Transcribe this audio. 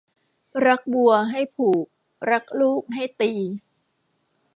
รักวัวให้ผูกรักลูกให้ตี